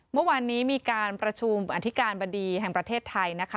เมื่อวานนี้มีการประชุมอธิการบดีแห่งประเทศไทยนะคะ